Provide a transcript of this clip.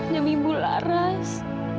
demi bu laras